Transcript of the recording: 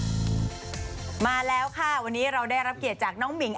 มาแล้วค่ะวันนี้เราได้รับเกียรติจากน้องหมิง